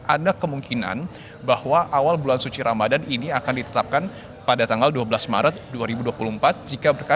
ada kemungkinan bahwa awal bulan suci ramadan ini akan ditetapkan pada tanggal dua belas maret dua ribu dua puluh empat